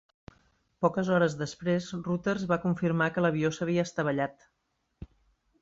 Poques hores després Reuters va confirmar que l'avió s'havia estavellat.